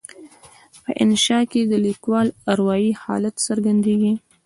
په انشأ کې د لیکوال اروایي حالت څرګندیږي.